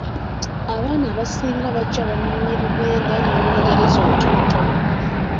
Abaana abasinga bajja bamanyi Luganda n’Olungereza olutonotono.